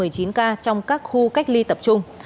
ba trăm một mươi chín ca trong các khu cách ly tập trung